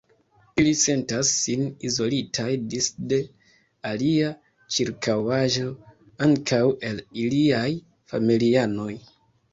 Ili sentas sin izolitaj disde ilia ĉirkaŭaĵo, ankaŭ el iliaj familianoj.